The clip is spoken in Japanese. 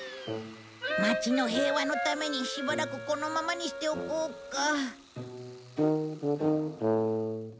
町の平和のためにしばらくこのままにしておこうか。